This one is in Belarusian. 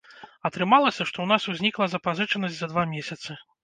Атрымалася, што ў нас узнікла запазычанасць за два месяцы.